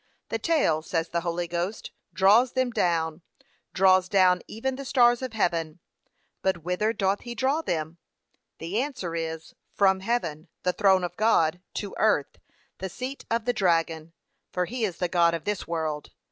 The tail, says the Holy Ghost, draws them down; draws down even the stars of heaven; but whither doth he draw them? The answer is, from heaven, the throne of God, to earth, the seat of the dragon; for he is the god of this world.